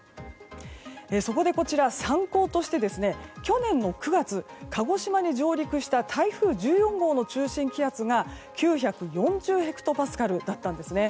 そこで、こちら参考として去年の９月鹿児島に上陸した台風１４号の中心気圧が９４０ヘクトパスカルだったんですね。